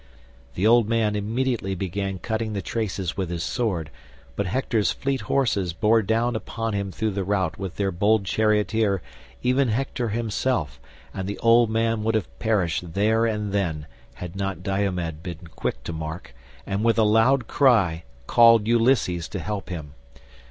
The old man instantly began cutting the traces with his sword, but Hector's fleet horses bore down upon him through the rout with their bold charioteer, even Hector himself, and the old man would have perished there and then had not Diomed been quick to mark, and with a loud cry called Ulysses to help him.